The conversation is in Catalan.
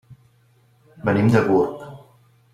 Venim de Gurb.